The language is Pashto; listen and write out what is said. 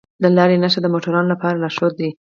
د لارې نښه د موټروانو لپاره لارښود ده.